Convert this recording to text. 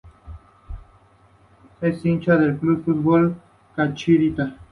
Es hincha del club de fútbol Chacarita.